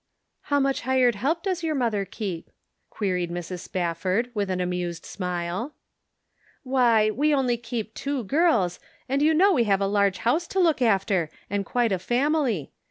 " How much hired help does your mother keep?" queried Mrs. Spafford, with an amused smile. " Why, we only keep two girls, and you know we have a large house to look after, and quite a family.